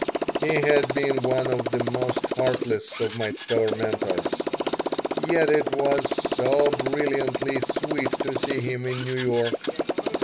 He had been one of the most heartless of my tormentors, yet it was so thrillingly sweet to see him in New York!